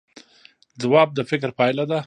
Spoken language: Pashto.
ځواب د فکر پایله ده